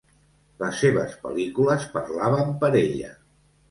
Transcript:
Les seves pel·lícules parlaven per ella.